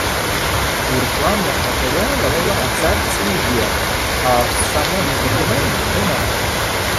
У рекламних матеріалах до Концепції є, а в самому документі немає.